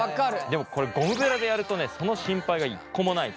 でもこれゴムベラでやるとねその心配が一個もないと。